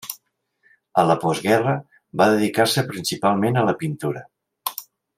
A la postguerra va dedicar-se principalment a la pintura.